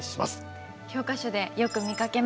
教科書でよく見かけます。